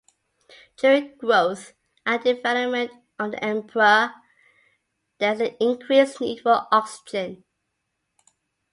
During growth and development of the embryo, there is an increased need for oxygen.